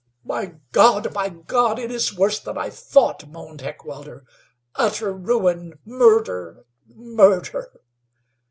"My God! My God! It is worse than I thought!" moaned Heckewelder. "Utter ruin! Murder! Murder!"